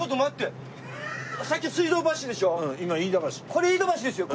これ飯田橋ですよ。